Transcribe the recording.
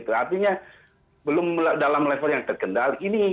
artinya belum dalam level yang terkendali